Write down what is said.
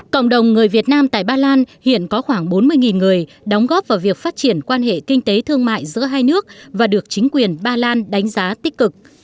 cộng đồng người việt nam tại ba lan hiện có khoảng bốn mươi người đóng góp vào việc phát triển quan hệ kinh tế thương mại giữa hai nước và được chính quyền ba lan đánh giá tích cực